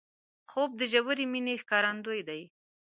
خوب د ژورې مینې ښکارندوی دی